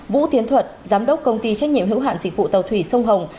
vũ tiến thuật giám đốc công ty trách nhiệm hữu hạn dịch vụ tàu thủy sông hồng